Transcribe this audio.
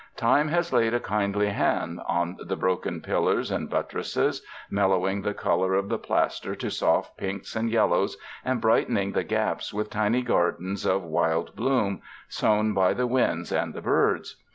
Time has laid a kindly hand on the broken pillars and buttresses, mellow ing the color of the plaster to soft pinks and yellows, and brightening the gaps with tiny gardens of wild bloom, sown by the winds and the birds.